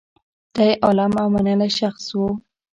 دی عالم او منلی شخص و.